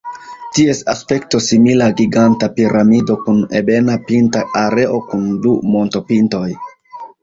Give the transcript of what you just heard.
Ties aspekto simila giganta piramido kun ebena pinta areo kun du montopintoj.